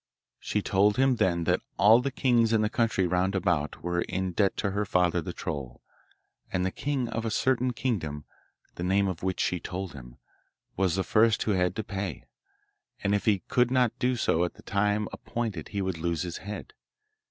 She told him then that all the kings in the country round about were in debt to her father the troll, and the king of a certain kingdom, the name of which she told him, was the first who had to pay, and if he could not do so at the time appointed he would lose his head.